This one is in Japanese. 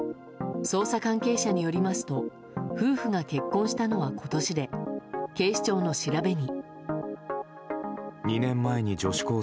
捜査関係者によりますと夫婦が結婚したのは今年で警視庁の調べに。